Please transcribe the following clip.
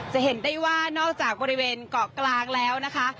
จะเห็นได้ว่านอกจากบริเวณเกาะกลางแล้วนะคะ